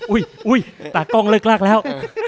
อุ๊ยตากล้องเลิกลากแล้ว